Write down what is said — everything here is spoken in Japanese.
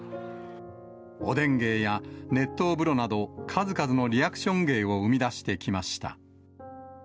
おでん芸や熱湯風呂など、数々のリアクション芸を生み出してきました。